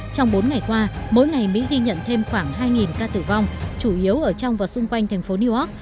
trong bốn ngày qua mỗi ngày mỹ ghi nhận thêm khoảng hai ca tử vong chủ yếu ở trong và xung quanh thành phố new york